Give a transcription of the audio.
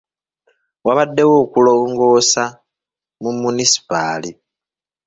Wabaddewo okulongoosa mu munisipaali.